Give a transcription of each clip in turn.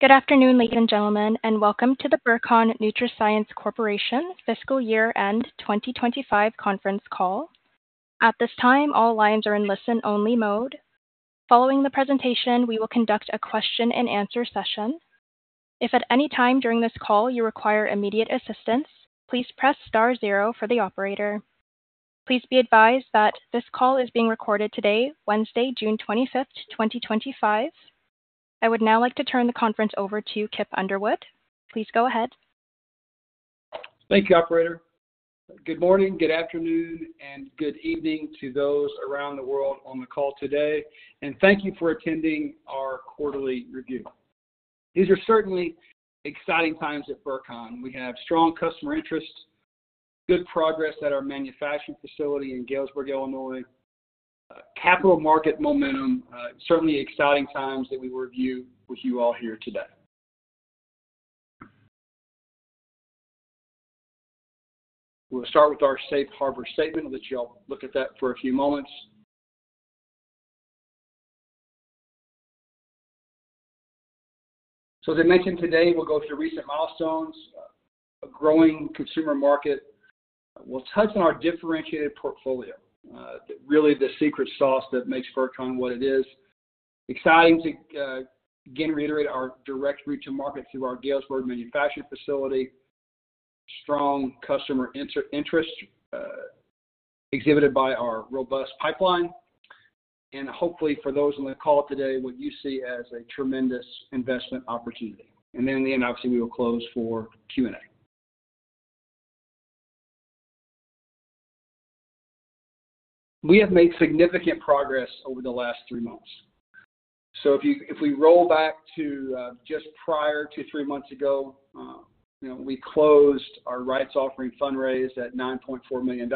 Good afternoon, ladies and gentlemen, and welcome to the Burcon NutraScience Corporation FY 2025 conference call. At this time, all lines are in listen-only mode. Following the presentation, we will conduct a question-and-answer session. If at any time during this call you require immediate assistance, please press star zero for the operator. Please be advised that this call is being recorded today, Wednesday, June 25, 2025. I would now like to turn the conference over to Kip Underwood. Please go ahead. Thank you, Operator. Good morning, good afternoon, and good evening to those around the world on the call today, and thank you for attending our quarterly review. These are certainly exciting times at Burcon. We have strong customer interest, good progress at our manufacturing facility in Galesburg, Illinois, capital market momentum, certainly exciting times that we review with you all here today. We will start with our Safe Harbor statement. I will let you all look at that for a few moments. As I mentioned today, we will go through recent milestones, a growing consumer market. We will touch on our differentiated portfolio, really the secret sauce that makes Burcon what it is. Exciting to, again, reiterate our direct reach to market through our Galesburg manufacturing facility, strong customer interest exhibited by our robust pipeline, and hopefully for those on the call today, what you see as a tremendous investment opportunity. Then in the end, obviously, we will close for Q&A. We have made significant progress over the last three months. If we roll back to just prior to three months ago, we closed our rights offering fundraise at $9.4 million.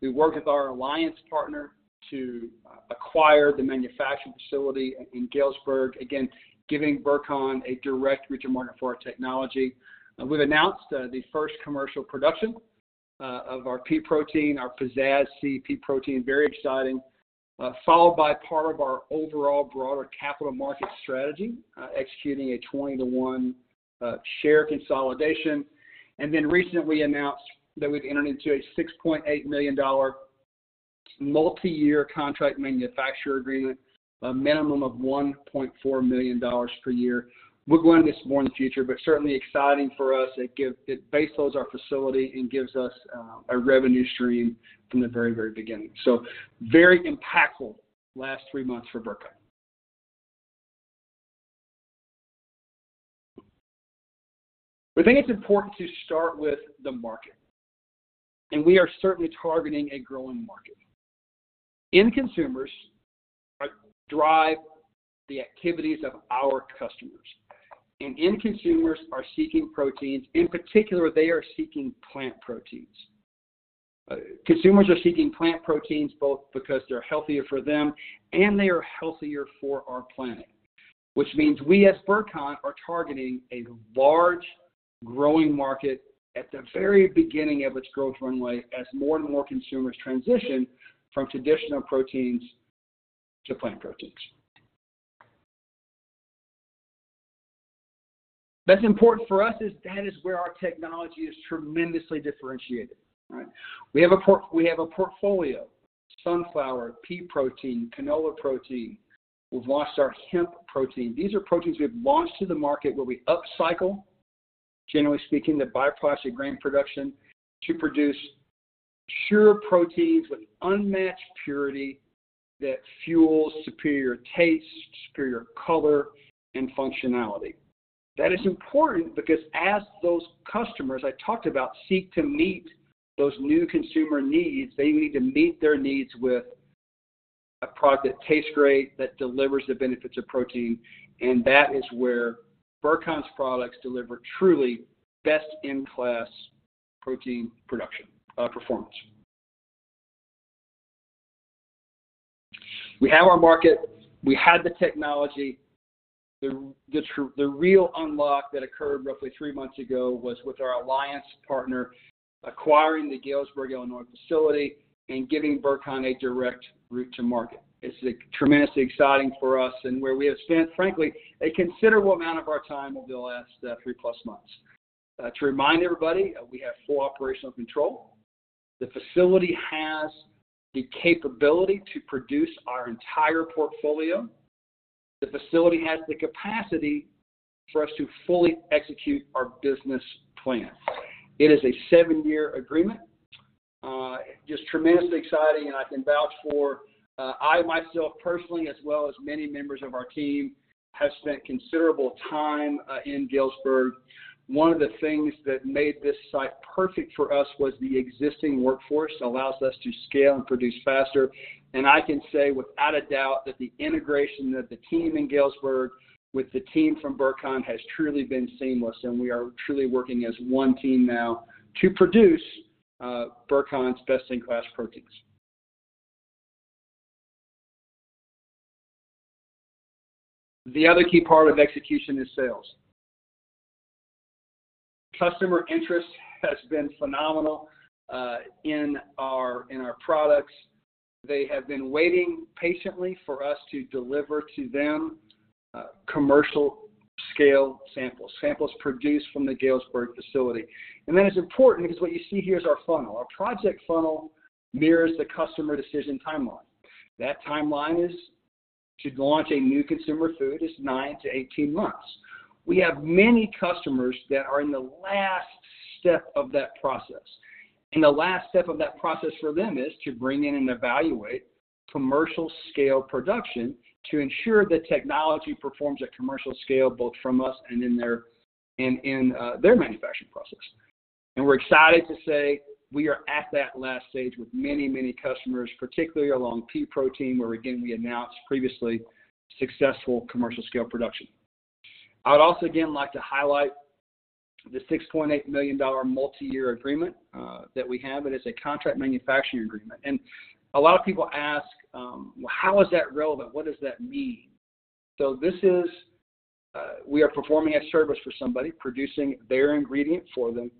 We worked with our alliance partner to acquire the manufacturing facility in Galesburg, again, giving Burcon a direct reach of market for our technology. We have announced the first commercial production of our pea protein, our Peazzazz C pea protein, very exciting, followed by part of our overall broader capital market strategy, executing a 20-to-1 share consolidation. We recently announced that we have entered into a $6.8 million multi-year contract manufacturing agreement, a minimum of $1.4 million per year. We will go into this more in the future, but certainly exciting for us. It baseloads our facility and gives us a revenue stream from the very, very beginning. Very impactful last three months for Burcon. We think it's important to start with the market, and we are certainly targeting a growing market. In-consumers drive the activities of our customers, and in-consumers are seeking proteins. In particular, they are seeking plant proteins. Consumers are seeking plant proteins both because they're healthier for them and they are healthier for our planet, which means we as Burcon are targeting a large growing market at the very beginning of its growth runway as more and more consumers transition from traditional proteins to plant proteins. That's important for us as that is where our technology is tremendously differentiated. We have a portfolio: sunflower, pea protein, canola protein. We've launched our hemp protein. These are proteins we've launched to the market where we upcycle, generally speaking, the bioplastic grain production to produce pure proteins with unmatched purity that fuel superior taste, superior color, and functionality. That is important because as those customers I talked about seek to meet those new consumer needs, they need to meet their needs with a product that tastes great, that delivers the benefits of protein, and that is where Burcon's products deliver truly best-in-class protein production performance. We have our market. We had the technology. The real unlock that occurred roughly three months ago was with our alliance partner acquiring the Galesburg, Illinois facility and giving Burcon a direct reach to market. It's tremendously exciting for us and where we have spent, frankly, a considerable amount of our time over the last 3+ months. To remind everybody, we have full operational control. The facility has the capability to produce our entire portfolio. The facility has the capacity for us to fully execute our business plan. It is a seven-year agreement. Just tremendously exciting, and I can vouch for I myself personally, as well as many members of our team, have spent considerable time in Galesburg. One of the things that made this site perfect for us was the existing workforce. It allows us to scale and produce faster, and I can say without a doubt that the integration of the team in Galesburg with the team from Burcon has truly been seamless, and we are truly working as one team now to produce Burcon's best-in-class proteins. The other key part of execution is sales. Customer interest has been phenomenal in our products. They have been waiting patiently for us to deliver to them commercial-scale samples, samples produced from the Galesburg facility. It is important because what you see here is our funnel. Our project funnel mirrors the customer decision timeline. That timeline to launch a new consumer food is 9 months-18 months. We have many customers that are in the last step of that process. The last step of that process for them is to bring in and evaluate commercial-scale production to ensure the technology performs at commercial scale both from us and in their manufacturing process. We are excited to say we are at that last stage with many, many customers, particularly along pea protein where, again, we announced previously successful commercial-scale production. I would also, again, like to highlight the $6.8 million multi-year agreement that we have. It is a contract manufacturing agreement. A lot of people ask, "How is that relevant? What does that mean? This is we are performing a service for somebody, producing their ingredient for them,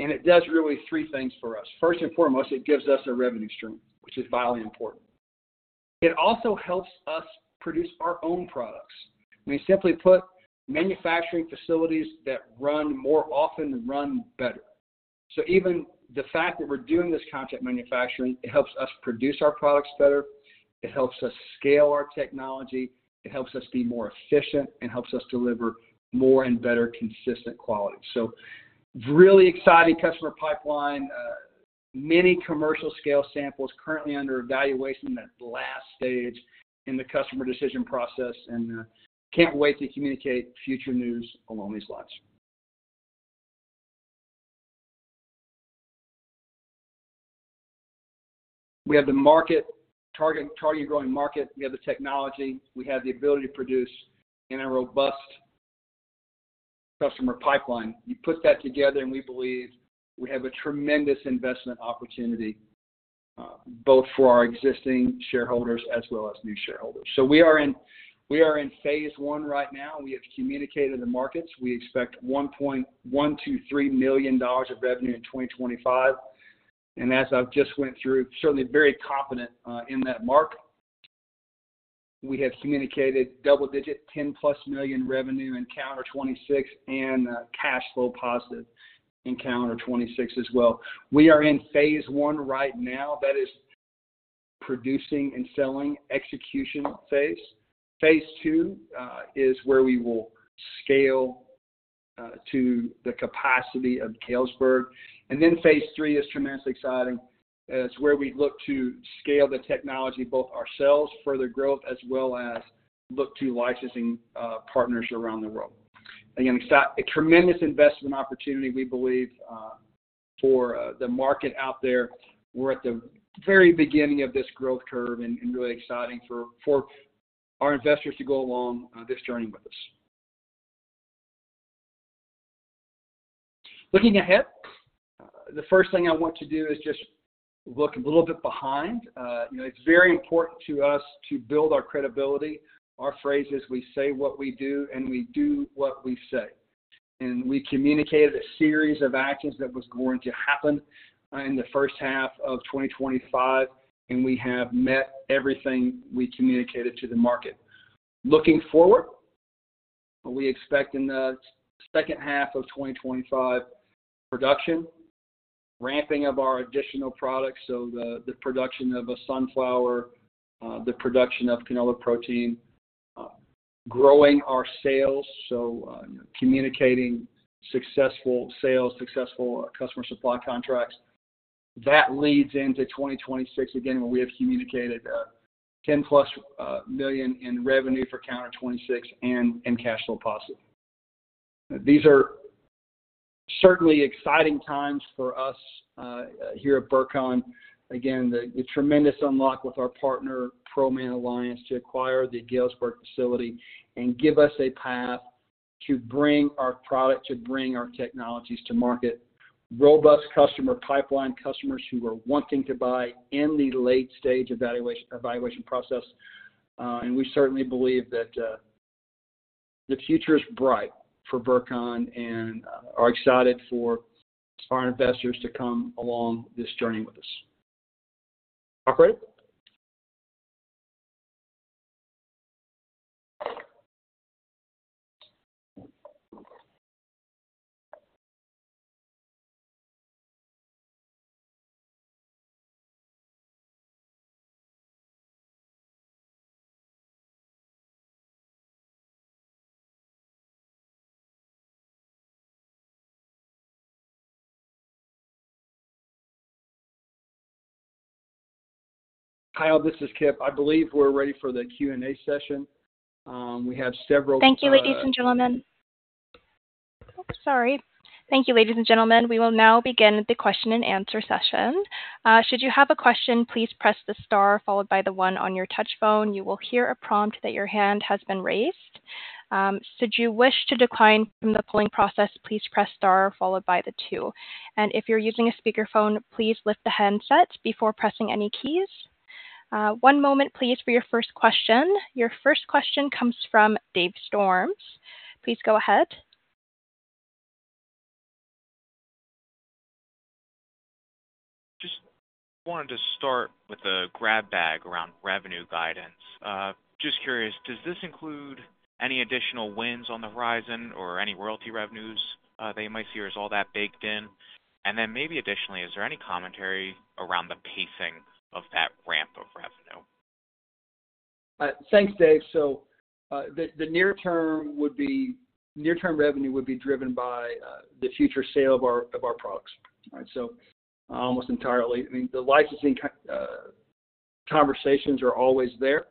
and it does really three things for us. First and foremost, it gives us a revenue stream, which is vitally important. It also helps us produce our own products. I mean, simply put, manufacturing facilities that run more often run better. Even the fact that we're doing this contract manufacturing, it helps us produce our products better. It helps us scale our technology. It helps us be more efficient and helps us deliver more and better consistent quality. Really exciting customer pipeline, many commercial-scale samples currently under evaluation in that last stage in the customer decision process, and can't wait to communicate future news along these lines. We have the market, targeting growing market. We have the technology. We have the ability to produce in a robust customer pipeline. You put that together, and we believe we have a tremendous investment opportunity both for our existing shareholders as well as new shareholders. We are in phase I right now. We have communicated to the markets. We expect $1.123 million of revenue in 2025. As I have just went through, certainly very confident in that mark. We have communicated double-digit $10+ million revenue in calendar 2026 and cash flow positive in calendar 2026 as well. We are in phase I right now. That is producing and selling execution phase. Phase II is where we will scale to the capacity of Galesburg. Phase III is tremendously exciting. It is where we look to scale the technology both ourselves, further growth, as well as look to licensing partners around the world. Again, a tremendous investment opportunity, we believe, for the market out there. We're at the very beginning of this growth curve and really exciting for our investors to go along this journey with us. Looking ahead, the first thing I want to do is just look a little bit behind. It's very important to us to build our credibility. Our phrase is, "We say what we do, and we do what we say." We communicated a series of actions that was going to happen in the first half of 2025, and we have met everything we communicated to the market. Looking forward, we expect in the second half of 2025, production, ramping of our additional products, the production of sunflower, the production of canola protein, growing our sales, communicating successful sales, successful customer supply contracts. That leads into 2026, again, where we have communicated 10+ million in revenue for calendar 2026 and cash flow positive. These are certainly exciting times for us here at Burcon. Again, the tremendous unlock with our partner, PROMAN Alliance, to acquire the Galesburg facility and give us a path to bring our product, to bring our technologies to market, robust customer pipeline, customers who are wanting to buy in the late-stage evaluation process. We certainly believe that the future is bright for Burcon and are excited for our investors to come along this journey with us. Operator. Hi, this is Kip. I believe we're ready for the Q&A session. We have several questions. Thank you, ladies and gentlemen. Oops, sorry. Thank you, ladies and gentlemen. We will now begin the question-and-answer session. Should you have a question, please press the star followed by the one on your touch phone. You will hear a prompt that your hand has been raised. Should you wish to decline from the polling process, please press star followed by the two. If you're using a speakerphone, please lift the handset before pressing any keys. One moment, please, for your first question. Your first question comes from Dave Storms. Please go ahead. Just wanted to start with a grab bag around revenue guidance. Just curious, does this include any additional wins on the horizon or any royalty revenues that you might see or is all that baked in? Maybe additionally, is there any commentary around the pacing of that ramp of revenue? Thanks, Dave. The near-term revenue would be driven by the future sale of our products. Almost entirely, I mean, the licensing conversations are always there.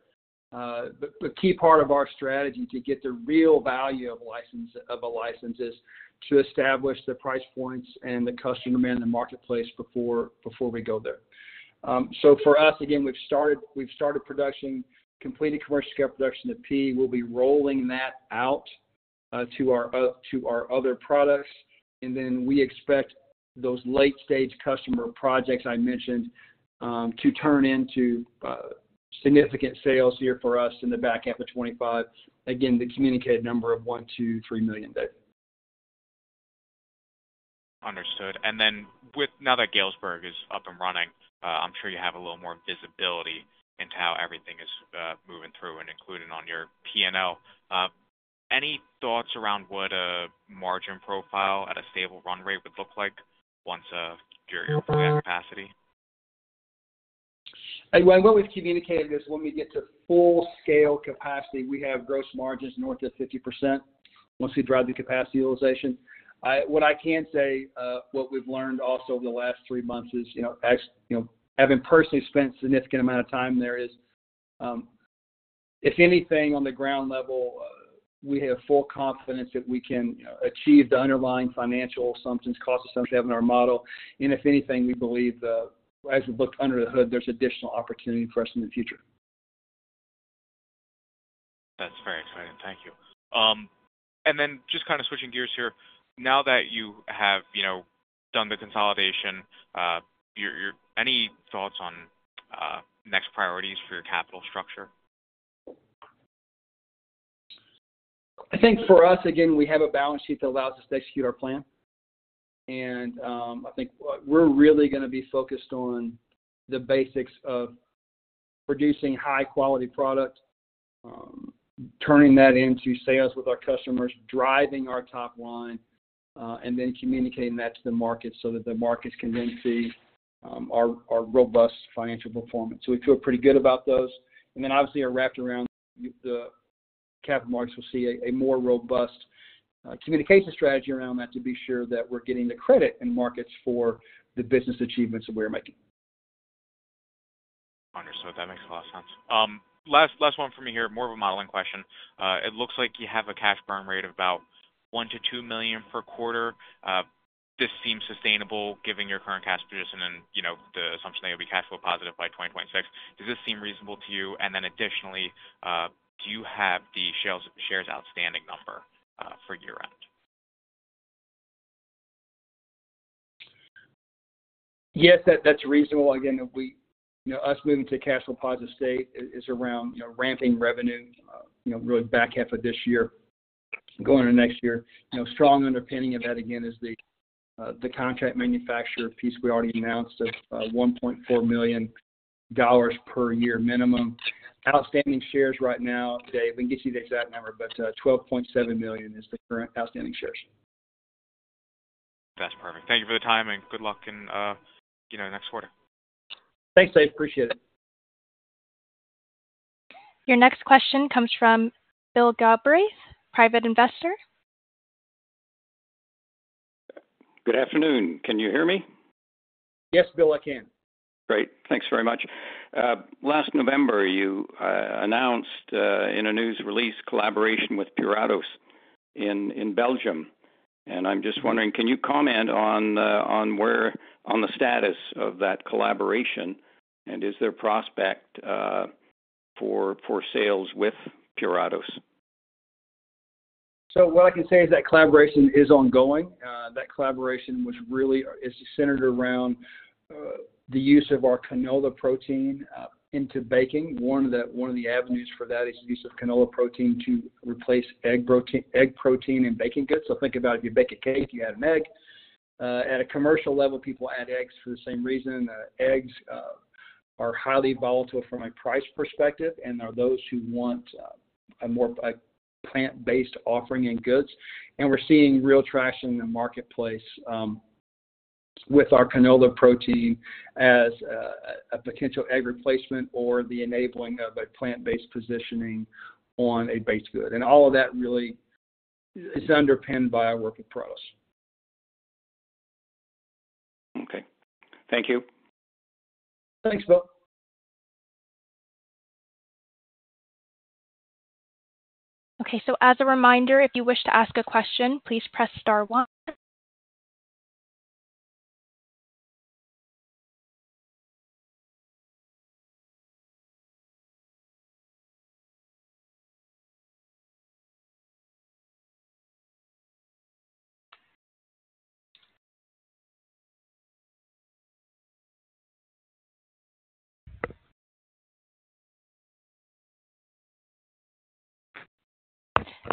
A key part of our strategy to get the real value of a license is to establish the price points and the customer and the marketplace before we go there. For us, again, we've started production, completed commercial-scale production of pea. We'll be rolling that out to our other products. We expect those late-stage customer projects I mentioned to turn into significant sales here for us in the back end for 2025. Again, the communicated number of $1 million, $2 million, $3 million there. Understood. Now that Galesburg is up and running, I'm sure you have a little more visibility into how everything is moving through and included on your P&L. Any thoughts around what a margin profile at a stable run rate would look like once you're at capacity? What we have communicated is when we get to full-scale capacity, we have gross margins north of 50% once we drive the capacity utilization. What I can say, what we have learned also over the last three months is having personally spent a significant amount of time there is, if anything, on the ground level, we have full confidence that we can achieve the underlying financial assumptions, cost assumptions in our model. If anything, we believe as we look under the hood, there is additional opportunity for us in the future. That's very exciting. Thank you. Just kind of switching gears here, now that you have done the consolidation, any thoughts on next priorities for your capital structure? I think for us, again, we have a balance sheet that allows us to execute our plan. I think we're really going to be focused on the basics of producing high-quality product, turning that into sales with our customers, driving our top line, and then communicating that to the market so that the markets can then see our robust financial performance. We feel pretty good about those. Obviously, around the capital markets, we'll see a more robust communication strategy around that to be sure that we're getting the credit in markets for the business achievements that we're making. Understood. That makes a lot of sense. Last one for me here, more of a modeling question. It looks like you have a cash burn rate of about $1 million-$2 million per quarter. This seems sustainable given your current cash position and the assumption that you'll be cash flow positive by 2026. Does this seem reasonable to you? Additionally, do you have the shares outstanding number for year-end? Yes, that's reasonable. Again, us moving to cash flow positive state is around ramping revenue really back half of this year, going into next year. Strong underpinning of that, again, is the contract manufacturer piece we already announced of $1.4 million per year minimum. Outstanding shares right now, Dave, we can get you the exact number, but 12.7 million is the current outstanding shares. That's perfect. Thank you for the time, and good luck in next quarter. Thanks, Dave. Appreciate it. Your next question comes from Bill Gabbery, private investor. Good afternoon. Can you hear me? Yes, Bill, I can. Great. Thanks very much. Last November, you announced in a news release collaboration with Puratos in Belgium. I'm just wondering, can you comment on the status of that collaboration, and is there prospect for sales with Puratos? What I can say is that collaboration is ongoing. That collaboration was really centered around the use of our canola protein into baking. One of the avenues for that is the use of canola protein to replace egg protein in baking goods. Think about it, if you bake a cake, you add an egg. At a commercial level, people add eggs for the same reason. Eggs are highly volatile from a price perspective, and there are those who want a more plant-based offering in goods. We're seeing real traction in the marketplace with our canola protein as a potential egg replacement or the enabling of a plant-based positioning on a baked good. All of that really is underpinned by our work with Puratos. Okay. Thank you. Thanks, Bill. Okay. So as a reminder, if you wish to ask a question, please press star one.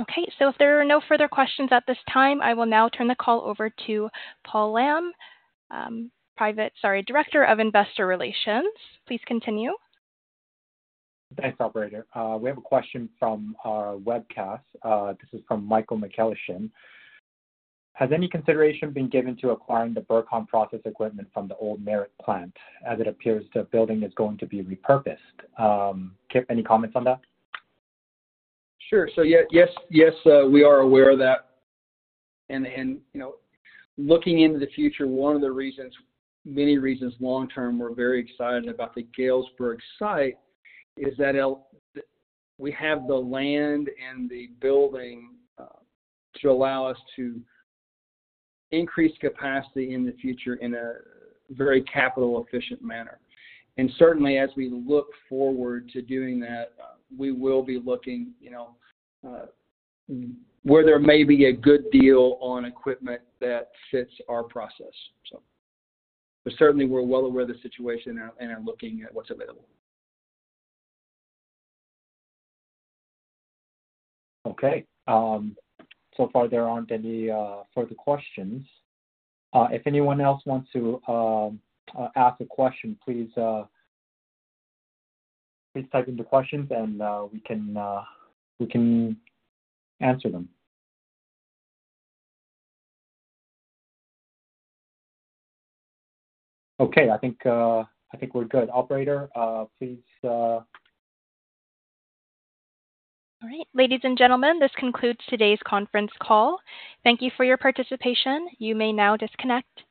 Okay. If there are no further questions at this time, I will now turn the call over to Paul Lam, Director of Investor Relations. Please continue. Thanks, Operator. We have a question from our webcast. This is from Michael McEllishen. Has any consideration been given to acquiring the Burcon process equipment from the old Merritt plant as it appears the building is going to be repurposed? Kip, any comments on that? Sure. Yes, yes, we are aware of that. Looking into the future, one of the reasons, many reasons long-term, we're very excited about the Galesburg site is that we have the land and the building to allow us to increase capacity in the future in a very capital-efficient manner. Certainly, as we look forward to doing that, we will be looking where there may be a good deal on equipment that fits our process. Certainly, we're well aware of the situation and are looking at what's available. Okay. So far, there aren't any further questions. If anyone else wants to ask a question, please type in the questions, and we can answer them. Okay. I think we're good. Operator, please. All right. Ladies and gentlemen, this concludes today's conference call. Thank you for your participation. You may now disconnect.